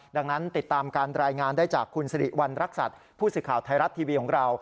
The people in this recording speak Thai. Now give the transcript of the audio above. ดังนั้นติดตามการรายงานได้จากคุณสิริวัณรักษัตริย์ผู้สื่อข่าวไทยรัฐทีวีของเรา